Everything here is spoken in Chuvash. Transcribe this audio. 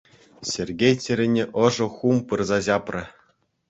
Сергей чӗрине ӑшӑ хум пырса ҫапрӗ.